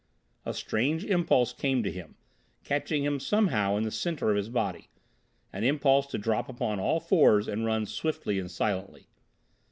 A strange impulse came to him, catching him somehow in the centre of his body—an impulse to drop upon all fours and run swiftly and silently.